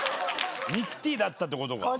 ミキティだったってことか。